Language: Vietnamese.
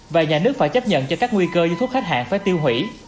và nhà nước phải chấp nhận cho các nguy cơ như thuốc khách hàng phải tiêu hủy